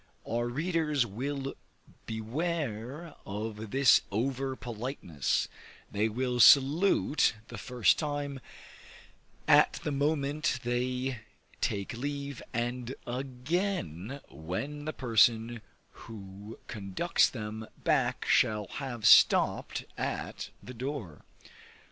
Our readers will beware of this over politeness; they will salute the first time, at the moment they take leave, and again, when the person who conducts them back shall have stopped at the door.